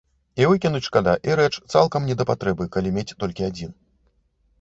І выкінуць шкада, і рэч цалкам не да патрэбы, калі мець толькі адзін.